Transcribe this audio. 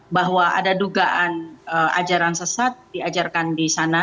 bahwa ada dugaan ajaran sesat diajarkan di sana